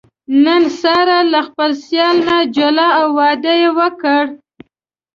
نن ساره له خپل سېل نه جلا او واده یې وکړ.